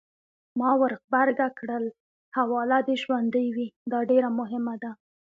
ما ورغبرګه کړل: حواله دې ژوندۍ وي! دا ډېره مهمه ده.